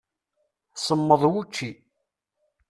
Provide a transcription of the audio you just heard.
Semmeḍ wučči.